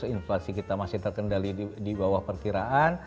inflasi kita masih terkendali di bawah perkiraan